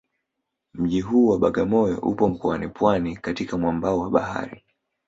Mji huu wa Bagamoyo upo mkoani Pwani katika mwambao wa bahari